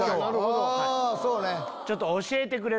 あそうね。